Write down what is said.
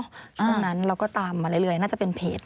ช่วงนั้นเราก็ตามมาเรื่อยน่าจะเป็นเพจ